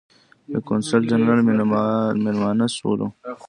د قونسل جنرال مېلمانه شولو.